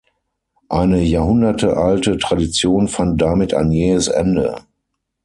Eine jahrhundertealte Tradition fand damit ein jähes Ende.